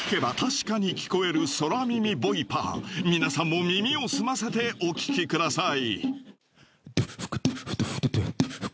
皆さんも耳を澄ませてお聞きください